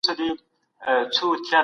چوپړماران وېرېدل او تیښته شول.